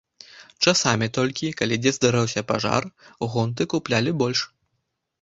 Часамі толькі, калі дзе здараўся пажар, гонты куплялі больш.